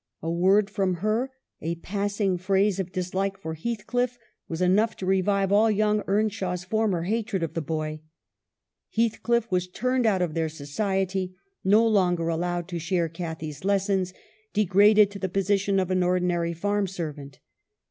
A word from her, a passing phrase of dislike for Heathcliff, was enough to revive all young Earnshaw's former hatred of the boy. Heathcliff was turned out of their society, no longer allowed to share Cathy's lessons, degraded to the position of an ordinary farm servant.